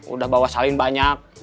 udah bawa salin banyak